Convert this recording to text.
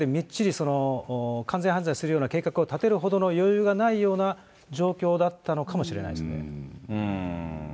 衝動的に、例えば時間をかけて、数か月かけてみっちり完全犯罪するような計画を立てるほどの余裕がないような状況だったのかもしれないですね。